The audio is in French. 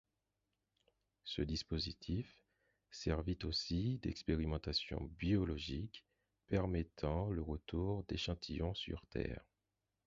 Ce dispositif servit aussi d'expérimentation biologique permettant le retour d'échantillons sur Terre.